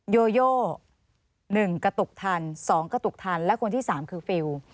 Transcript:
โยโย๑กระตุกทัน๒กระตุกทันและคนที่๓คือฟิล